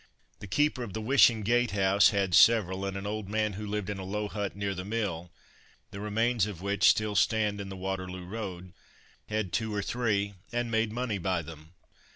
The keeper of the "Wishing Gate house" had several, and an old man who lived in a low hut near the mill (the remains of which still stand in the Waterloo road) had two or three, and made money by them.